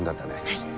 はい。